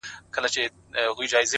اوس مي د هغي دنيا ميـر ويـــده دی _